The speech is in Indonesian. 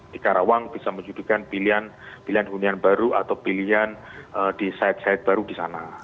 di karawang bisa menjadikan pilihan hunian baru atau pilihan di site site baru di sana